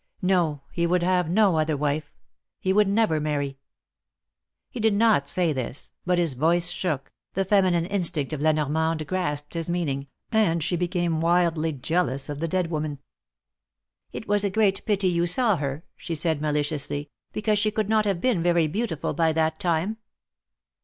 No, he would have no other wife. He would never marry. He did not say this, but his voice shook, the femi nine instinct of La Normande grasped his meaning, and she became wildly jealous of the dead woman. It was a great pity you saw her," she said, maliciously, '^because she could not have been very beautiful by that time."